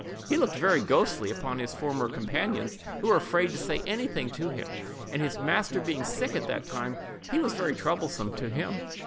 He looked very ghostly upon his former companions, who were afraid to say anything to him, and his master being sick at that time, he was very troublesome to him.